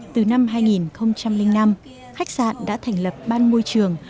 từ năm hai nghìn năm khách sạn đã thành lập ban môi trường